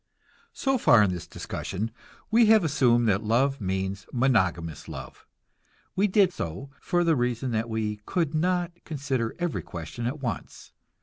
So far in this discussion we have assumed that love means monogamous love. We did so, for the reason that we could not consider every question at once.